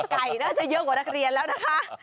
ไก่น่าจะเยอะกว่านักเรียนแล้วนะคะ